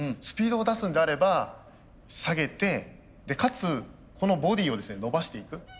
スピードを出すんであれば下げてかつこのボディーをですね伸ばしていく。